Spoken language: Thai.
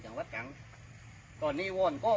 ช่างแพดภาพหนักดุง